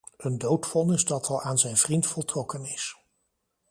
Een doodvonnis dat al aan zijn vriend voltrokken is.